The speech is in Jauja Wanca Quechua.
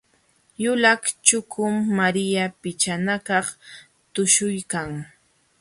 Yulaq chukum Maria pichanakaq tuśhuykan.